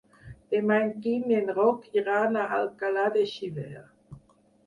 Demà en Quim i en Roc iran a Alcalà de Xivert.